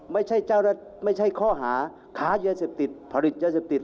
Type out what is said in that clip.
ไม่ใช่ข้อหาค้ายนเสพติธรรมผลิตอยนเสพติธรรม